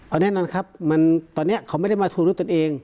เอาแน่นอนครับตอนนี้เขาไม่ได้มาทวงด้วยตนเอง